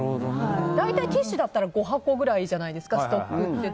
大体、ティッシュだったら５箱ぐらいじゃないですかストックって。